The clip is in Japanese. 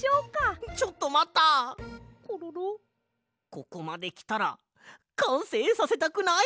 ここまできたらかんせいさせたくない？